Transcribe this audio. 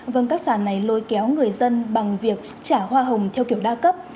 vâng các sản này lôi kéo người dân bằng việc trả hoa hồng theo kiểu đa cấp